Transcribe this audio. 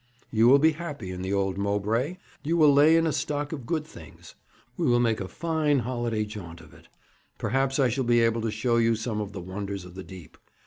'You will be happy in the old Mowbray. We will lay in a stock of good things. We will make a fine holiday jaunt of it. Perhaps I shall be able to show you some of the wonders of the deep.